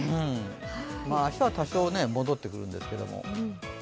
明日は多少戻ってくるんですけども。